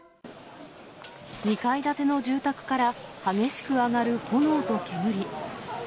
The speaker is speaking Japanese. ２階建ての住宅から激しく上がる炎と煙。